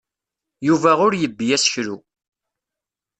Yuba ur yebbi aseklu.